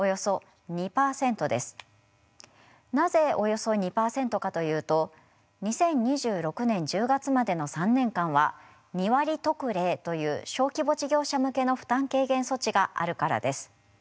なぜおよそ２％かというと２０２６年１０月までの３年間は２割特例という小規模事業者向けの負担軽減措置があるからです。